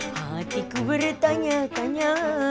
hatiku bertanya tanya